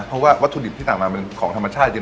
เพราะว่าวัตถุดิบที่ต่างมาเป็นของธรรมชาติเย็น